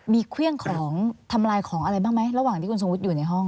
มีเครื่องของทำลายของอะไรบ้างไหมระหว่างที่คุณทรงวุฒิอยู่ในห้อง